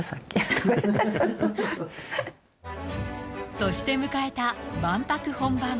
そして迎えた万博本番。